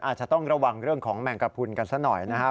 อาจจะต้องระวังเรื่องของแมงกระพุนกันซะหน่อยนะครับ